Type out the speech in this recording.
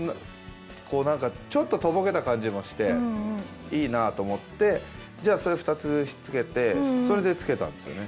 こう何かちょっととぼけた感じもしていいなと思ってじゃあそれ２つひっつけてそれで付けたんですよね。